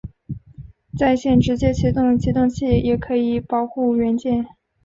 在线直接起动的启动器也可以包括保护元件。